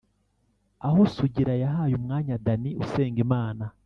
aho Sugira yahaye umwanya Danny Usengimana